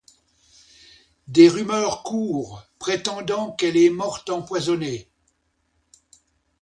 Des rumeurs courent, prétendant qu'elle est morte empoisonnée.